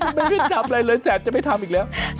ไม่ได้ทำอะไรเลยแสบจะไม่ทำอีกแล้ว